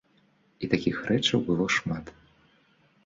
І такіх рэчаў было шмат.